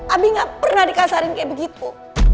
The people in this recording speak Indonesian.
abi gak pernah dikasarin kayak begitu